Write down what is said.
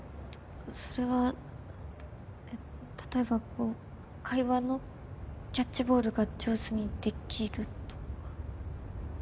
それは例えばこう会話のキャッチボールが上手にできるとか。